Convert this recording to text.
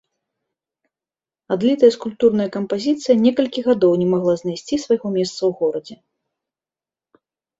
Адлітая скульптурная кампазіцыя некалькі гадоў не магла знайсці свайго месца ў горадзе.